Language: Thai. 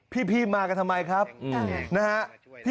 พี่มากันทำไมครับนะฮะ